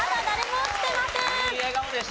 いい笑顔でした！